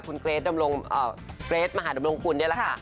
คุณเกรทมหาดำรงคุณเนี่ยแหละค่ะ